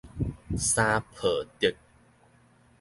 三抱竹